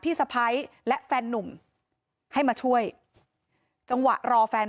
มีชายแปลกหน้า๓คนผ่านมาทำทีเป็นช่วยค่างทาง